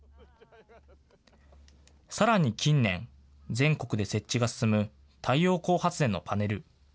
さらに近年、全国で設置が進む太陽光発電のパネル。